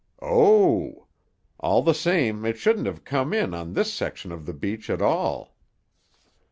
"Oh! All the same, it shouldn't have come in on this section of the beach at all."